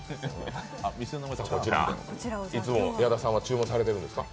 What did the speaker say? こちら、いつも矢田さんは注文されてるんですか？